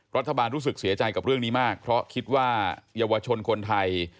รู้สึกเสียใจกับเรื่องนี้มากเพราะคิดว่าเยาวชนคนไทย